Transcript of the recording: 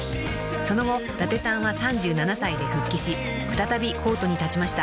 ［その後伊達さんは３７歳で復帰し再びコートに立ちました］